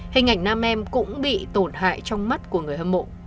hình ảnh nam em cũng bị tổn hại trong mắt của người hâm mộ